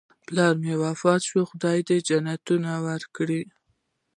پلار مې وفات شوی، خدای دې جنتونه ورکړي